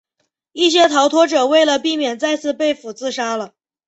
一些逃脱者为避免再次被俘自杀了。